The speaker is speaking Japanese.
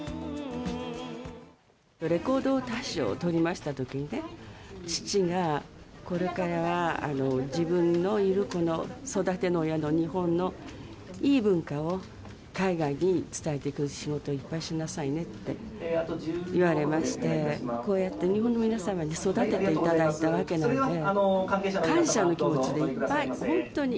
レコード大賞を取りましたときにね、父が、これからは自分のいるこの育ての親の日本のいい文化を海外に伝えていく仕事をいっぱいしなさいねって言われまして、こうやって日本の皆様に育てていただいたわけなので、感謝の気持ちでいっぱい、本当に。